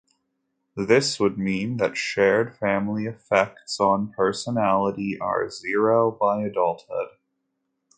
This would mean that shared family effects on personality are zero by adulthood.